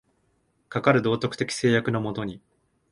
かかる道徳的制約の下に、